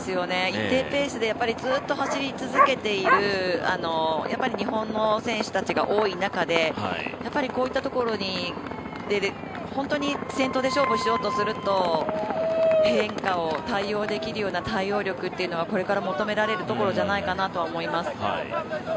一定ペースでずっと走り続けている、日本の選手たちが多い中で、こういったところに出る先頭で勝負しようとすると変化に対応できるような対応力というのはこれから求められるところじゃないかなと思います。